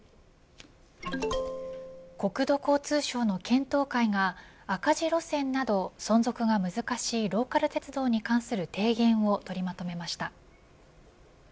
国土交通省の検討会が赤字路線など存続が難しいローカル鉄道に関する提言を取りまとめました。